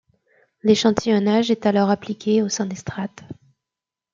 L'échantillonnage est alors appliqué au sein des strates.